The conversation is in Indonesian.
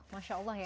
masya allah ya